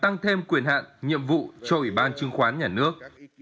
tăng thêm quyền hạn nhiệm vụ cho ủy ban chứng khoán nhà nước